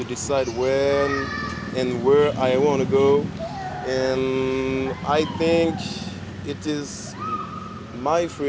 dan saya perlu bebas dan memutuskan kapan dan kemana saya ingin pergi